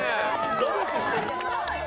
努力してる。